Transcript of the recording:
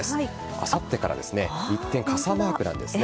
あさってから一転、傘マークなんです。